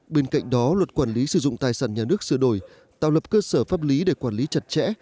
bên cạnh đó luật quản lý sử dụng tài sản nhà nước sửa đổi tạo lập cơ sở pháp lý để quản lý chặt chẽ